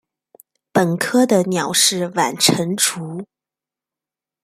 本科的鸟是晚成雏。